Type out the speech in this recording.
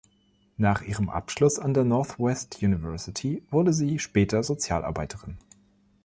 Nach ihrem Abschluss an der Northwest University wurde sie später Sozialarbeiterin.